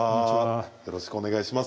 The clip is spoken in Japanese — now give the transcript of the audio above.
よろしくお願いします。